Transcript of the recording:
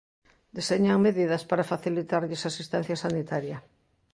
Deseñan medidas para facilitarlles asistencia sanitaria.